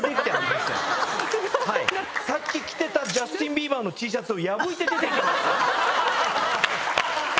さっき着てたジャスティン・ビーバーのＴシャツを。